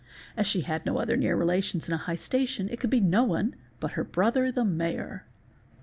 As she had ~ no other near relation in a high station it could be no one but her brother the Mayor.